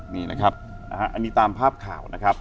นี่นะครับอันนี้ตามภาพข่าวนะครับ